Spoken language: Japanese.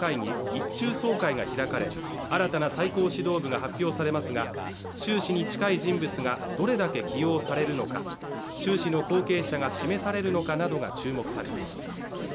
一中全会が開かれ新たな最高指導部が発表されますが習氏に近い人物がどれだけ起用されるのか習氏の後継者が示されるのかなどが注目されます